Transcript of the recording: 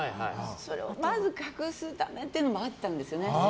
それをまず隠すためというのもあったんですよね。